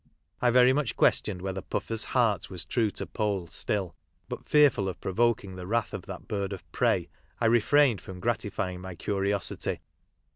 I very much questioned whether Puffer's " heart was true to Poll" still, but fearful of provoking the wrath of that bird of prey, I refrained from gratify , ing my curiosity.